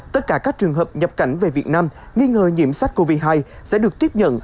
tất cả các trường hợp nhập cảnh về việt nam nghi ngờ nhiễm sắc covid một mươi chín sẽ được tiếp nhận